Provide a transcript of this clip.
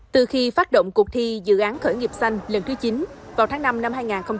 từ khi phát động cuộc thi dự án khởi nghiệp xanh lần thứ chín vào tháng năm năm hai nghìn hai mươi